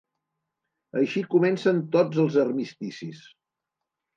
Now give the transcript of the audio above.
Així comencen tots els armisticis.